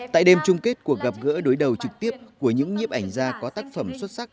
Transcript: tại đêm chung kết cuộc gặp gỡ đối đầu trực tiếp của những nhiếp ảnh gia có tác phẩm xuất sắc